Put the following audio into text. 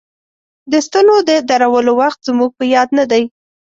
د ستنو د درولو وخت زموږ په یاد نه دی.